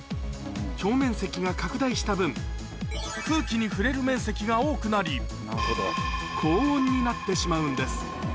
表面積が拡大した分、空気に触れる面積が多くなり、高温になってしまうんです。